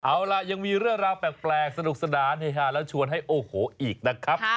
เอาล่ะยังมีเรื่องราวแปลกสนุกสนานเฮฮาและชวนให้โอ้โหอีกนะครับ